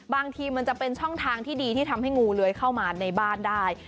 บางทีมันจะเป็นช่องทางที่ดีที่ทำให้งูเลื้อยเข้ามาในบ้านได้